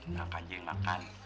nggak kan je nggak kan